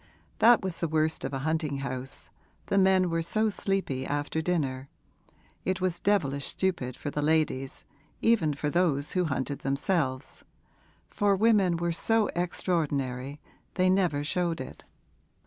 That was the worst of a hunting house the men were so sleepy after dinner; it was devilish stupid for the ladies, even for those who hunted themselves for women were so extraordinary, they never showed it.